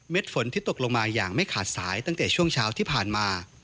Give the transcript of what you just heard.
ฝนที่ตกลงมาอย่างไม่ขาดสายตั้งแต่ช่วงเช้าที่ผ่านมา